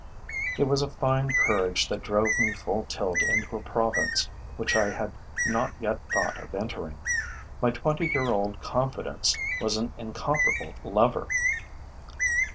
It was a fine courage that drove me full tilt into a province which I had not yet thought of entering. My twenty year old confidence was an incomparable lever.